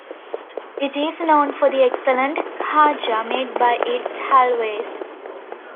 It is known for the excellent Khaja made by its Halwais.